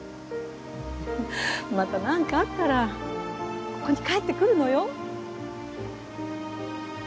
またなんかあったらここに帰ってくるのよ。